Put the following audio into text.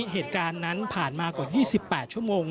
เหตุการณ์นั้นผ่านมากว่า๒๘ชั่วโมง